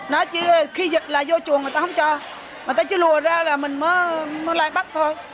nó chỉ khi dịch là vô chuồng người ta không cho người ta chỉ lùi ra là mình mới lại bắt thôi